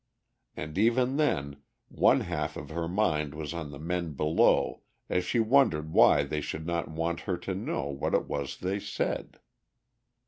And even then one half of her mind was on the men below as she wondered why they should not want her to know what it was they said.